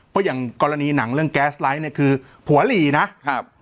เพราะอย่างกรณีหนังเรื่องแก๊สไลด์เนี่ยคือผัวหลีนะครับ